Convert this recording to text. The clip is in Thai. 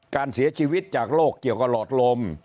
การเสียชีวิตจากโรคเกี่ยวกับหลอดลม